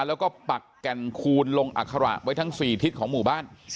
แล้วก็ปักแก่นคูณลงอัคระไว้ทั้ง๔ทิศของหมู่บ้าน